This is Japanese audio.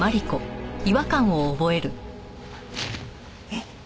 えっ？